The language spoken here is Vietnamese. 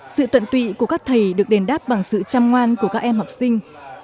sự tận tụy của các thầy được đền đáp bằng sự chăm ngoan của các em học sinh